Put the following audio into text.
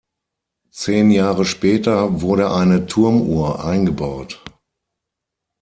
Zehn Jahre Später wurde eine Turmuhr eingebaut.